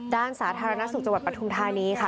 ด้านสาธารณสุขจังหวัดปัทธุมทานี้ค่ะ